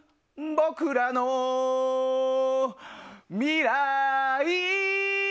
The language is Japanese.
僕らの未来。